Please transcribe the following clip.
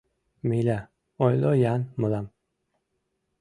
— Миля, ойло-ян мылам